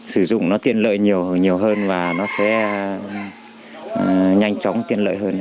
sử dụng nó tiện lợi nhiều hơn và nó sẽ nhanh chóng tiện lợi hơn